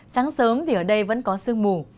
sáng sớm thì ở đây vẫn có sương mù